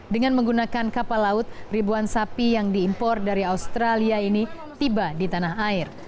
dengan menggunakan kapal laut ribuan sapi yang diimpor dari australia ini tiba di tanah air